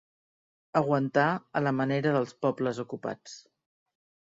Aguantar a la manera dels pobles ocupats.